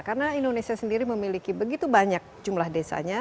karena indonesia sendiri memiliki begitu banyak jumlah desanya